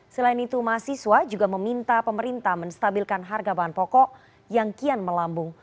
selain itu mahasiswa juga meminta pemerintah menstabilkan harga bahan pokok yang kian melambung